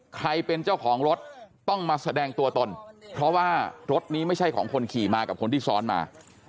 ใครเป็นเจ้าของรถต้องมาแสดงตัวตนเพราะว่ารถนี้ไม่ใช่ของคนขี่มากับคนที่ซ้อนมา